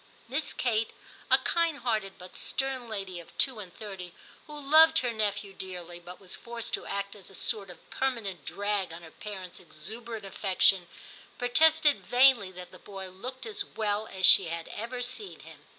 Miss Kate, a kind hearted but stern lady of two and thirty, who loved her nephew dearly, but was forced to act as a sort of permanent drag on her parents' exuberant affection, protested vainly that the boy looked as well as she had ever seen him.